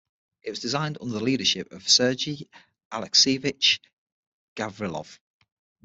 It was designed under the leadership of Sergei Alekseevich Gavrilov.